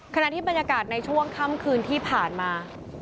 ขณะที่บรรยากาศในช่วงค่ำคืนที่ผ่านมา